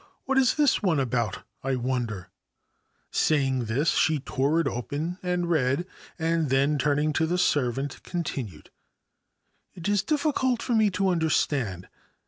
What is this one about, I wonder ?' Saying this, she tore it open and read, and then, turning to the servant, continued :* It is difficult for me to understand.